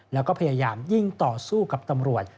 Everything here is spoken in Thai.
แล้วก็พยายามยิ่งต่อสู้กับตำรวจ